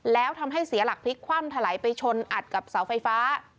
แล้วทำให้เสียหลักพลิกคว่ำถลายไปชนอัดกับเสาไฟฟ้า